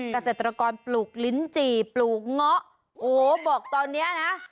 เกษตรกรปลูกลิ้นจี่ปลูกเงาะโอ้โหบอกตอนเนี้ยนะ